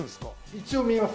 一応見えます。